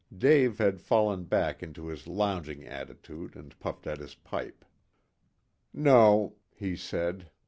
Dave had fallen back into his lounging attitude and puffed at his pipe. "No," he said.